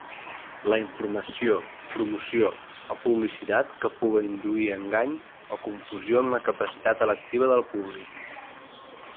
La informació, promoció o publicitat que puga induir a engany o confusió en la capacitat electiva del públic.